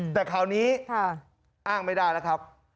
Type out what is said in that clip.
แต่คราวนี้อ้างไม่ได้แล้วครับ